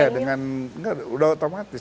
ya dengan nggak udah otomatis